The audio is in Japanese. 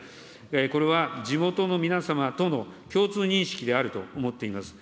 これは地元の皆様との共通認識であると思っています。